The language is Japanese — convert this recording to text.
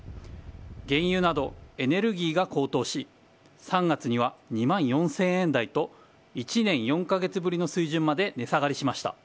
原油などエネルギーが高騰し３月には２万４０００円台と１年４カ月ぶりの水準まで値下がりしました。